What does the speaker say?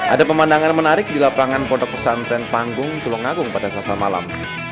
ada pemandangan menarik di lapangan pondok pesantren panggung tulungagung pada sasa malam